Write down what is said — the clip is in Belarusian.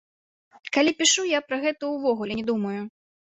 Калі пішу, я пра гэта ўвогуле не думаю.